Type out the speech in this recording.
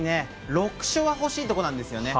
６勝は欲しいところです。